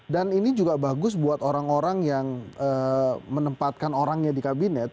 dan ini juga bagus buat orang orang yang menempatkan orangnya di kabinet